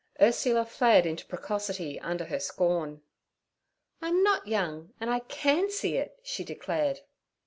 Ursula flared into precocity under her scorn. 'I'm not young, and I can see it' she declared.